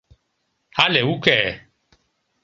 Але уке...